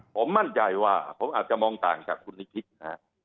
ผมมั่นใจว่าผมอาจจะมองต่างจากคุณนิคิตนะฮะ